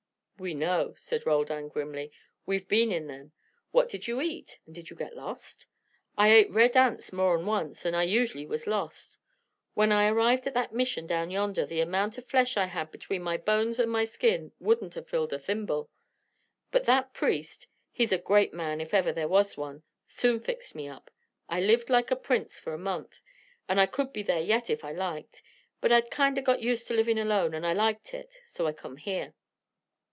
"We know," said Roldan, grimly. "We've been in them. What did you eat? And did you get lost?" "I ate red ants mor' 'n once, and I usually was lost. When I arrived at that Mission down yonder the amount of flesh I had between my bones and my skin wouldn't have filled a thimble. But that priest he's a great man if ever there was one soon fixed me up. I lived like a prince for a month, and I could be there yet if I liked, but I'd kinder got used to livin' alone and I liked it, so I come here.